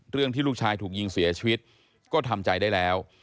ที่ลูกชายถูกยิงเสียชีวิตก็ทำใจได้แล้ว